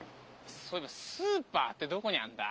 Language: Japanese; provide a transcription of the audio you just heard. そういえばスーパーってどこにあるんだ？